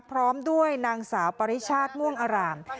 พร้อมด้วยนางสาวปริชาติม่วงอร่าม